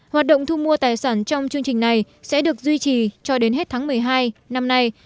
hoạt động thu mua tài sản trong chương trình này sẽ được duy trì cho đến hết tháng một mươi hai năm nay